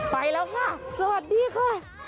ไปแล้วค่ะสวัสดีค่ะ